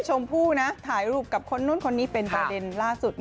ชมพู่นะถ่ายรูปกับคนนู้นคนนี้เป็นประเด็นล่าสุด